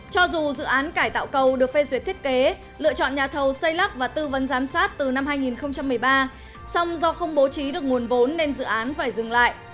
cho dù dự án cải tạo cầu được phê duyệt thiết kế lựa chọn nhà thầu xây lắp và tư vấn giám sát từ năm hai nghìn một mươi ba song do không bố trí được nguồn vốn nên dự án phải dừng lại